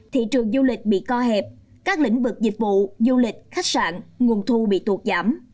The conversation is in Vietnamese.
thị trường du lịch bị co hẹp các lĩnh vực dịch vụ du lịch khách sạn nguồn thu bị tuột giảm